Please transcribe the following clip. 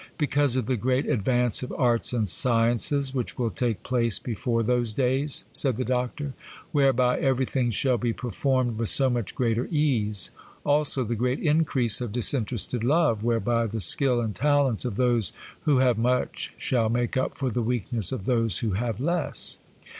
'Because of the great advance of arts and sciences which will take place before those days,' said the Doctor, 'whereby everything shall be performed with so much greater ease,—also the great increase of disinterested love, whereby the skill and talents of those who have much shall make up for the weakness of those who have less.